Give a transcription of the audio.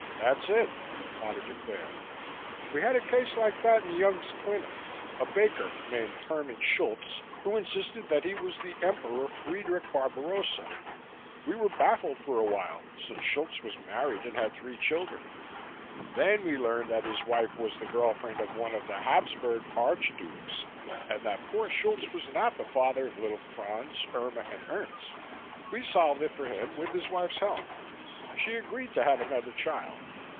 "That's it," Potter declared. "We had a case like that in Jung's clinic a baker named Hermann Schultz, who insisted that he was the Emperor Friedrich Barbarossa. We were baffled for a while, since Schultz was married and had three children. Then we learned that his wife was the girl friend of one of the Habsburg Archdukes and that poor Schultz was not the father of little Franz, Irma and Ernst. We solved it for him with his wife's help. She agreed to have another child.